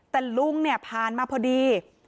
แต่ลุงพามาพอดี